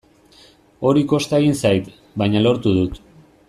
Hori kosta egin zait, baina lortu dut.